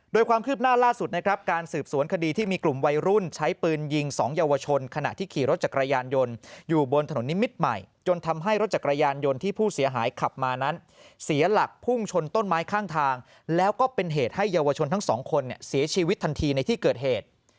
โดยความคืบหน้าล่าสุดนะครับการสืบสวนคดีที่มีกลุ่มวัยรุ่นใช้ปืนยิง๒เยาวชนขณะที่ขี่รถจักรยานยนต์อยู่บนถนนนิมิตรใหม่จนทำให้รถจักรยานยนต์ที่ผู้เสียหายขับมานั้นเสียหลักพุ่งชนต้นไม้ข้างทางแล้วก็เป็นเหตุให้เยาวชนทั้งสองคนเสียชีวิตทันทีในที่เกิดเหตุ